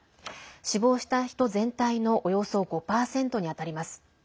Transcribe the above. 死亡した人全体のおよそ５％に当たります。